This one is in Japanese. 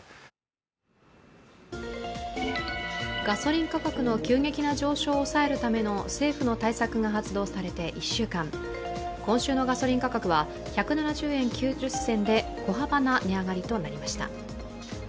ガソリン価格の急激な上昇を抑えるための政府の対策が発動されて１週間、今週のガソリン価格は１７０円９０銭で小幅な値上がりでした。